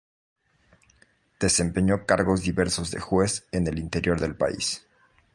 Desempeñó cargos diversos de juez en el interior del país.